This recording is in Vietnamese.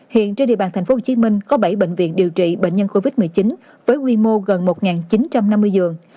hiện trên địa bàn tp hcm có bảy bệnh viện điều trị bệnh nhân covid một mươi chín với quy mô gần một chín trăm năm mươi giường